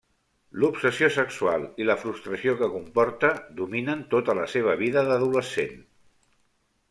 L'obsessió sexual, i la frustració que comporta, dominen tota la seva vida d'adolescent.